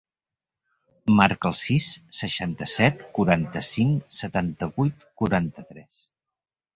Marca el sis, seixanta-set, quaranta-cinc, setanta-vuit, quaranta-tres.